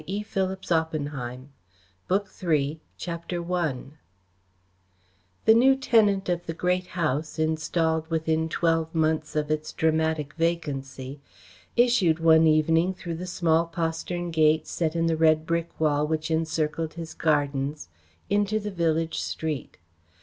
END OF BOOK TWO BOOK THREE CHAPTER I The new tenant of the Great House, installed within twelve months of its dramatic vacancy, issued one evening through the small postern gate, set in the red brick wall which encircled his gardens, into the village street.